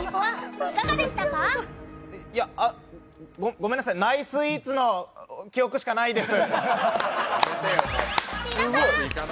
ごめんなさい、ナイスイーツの記憶しかないです。